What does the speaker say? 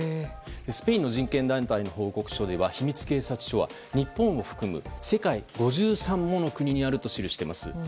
スペインの人権団体の報告書では秘密警察署は、日本を含む世界５３もの国にあると記しています。